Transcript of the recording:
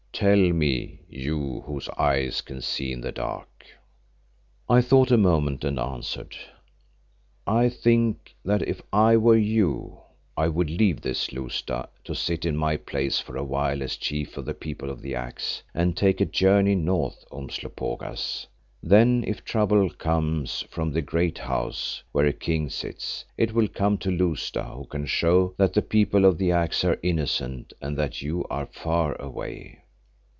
—Tell me, you whose eyes can see in the dark." I thought a moment and answered, "I think that if I were you, I would leave this Lousta to sit in my place for a while as Chief of the People of the Axe, and take a journey north, Umslopogaas. Then if trouble comes from the Great House where a king sits, it will come to Lousta who can show that the People of the Axe are innocent and that you are far away."